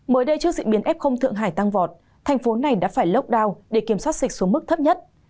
mới đây trước diễn biến f thượng hải tăng vọt thành phố này đã phải lockdown để kiểm soát sịch xuống mức thấp nhất